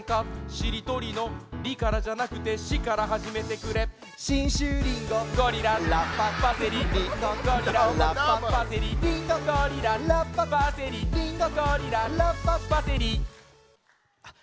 しりとりの「り」からじゃなくて「し」からはじめてくれ信州リンゴゴリララッパパセリリンゴゴリララッパパセリリンゴゴリララッパパセリリンゴゴリララッパパセリあっ